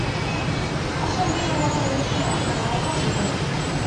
Oso erlijio-mota berezia eta garatua zuten.